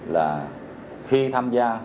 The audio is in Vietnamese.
là khi tham gia